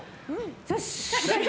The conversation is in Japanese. よし！